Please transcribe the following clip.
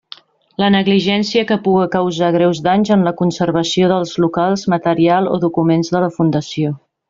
La negligència que puga causar greus danys en la conservació dels locals, material o documents de la Fundació.